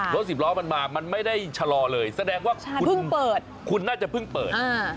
สิบล้อมันมามันไม่ได้ชะลอเลยแสดงว่าคุณเปิดคุณน่าจะเพิ่งเปิด